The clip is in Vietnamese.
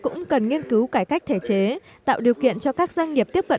cũng cần nghiên cứu cải cách thể chế tạo điều kiện cho các doanh nghiệp tiếp cận